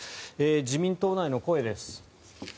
自民党内の声です。